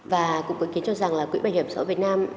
và cũng có ý kiến cho rằng là quỹ bảo hiểm xã hội việt nam